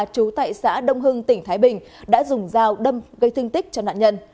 chú tại xã đông hưng tỉnh thái bình đã dùng dao đâm gây thương tích cho nạn nhân